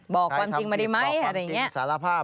บอกความจริงมาดีไหมอะไรอย่างนี้สารภาพ